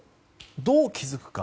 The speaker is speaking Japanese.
どう気づくか。